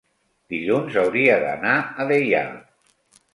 Dilluns hauria d'anar a Deià.